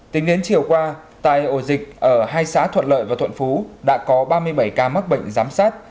tính đến chiều qua tại ổ dịch ở hai xã thuận lợi và thuận phú đã có ba mươi bảy ca mắc bệnh giám sát